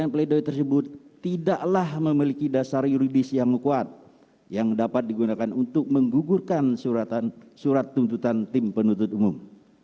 peledoi tersebut tidaklah memiliki dasar yuridis yang kuat yang dapat digunakan untuk menggugurkan surat tuntutan tim penuntut umum